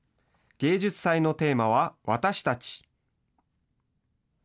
芸術祭のテーマは、わたしたち。